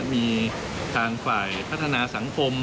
มีทางฝ่ายพัฒนาสังคม